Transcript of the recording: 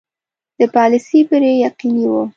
د پالیسي بری یقیني وو.